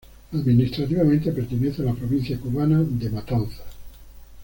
Administrativamente pertenece a la provincia cubana de Matanzas.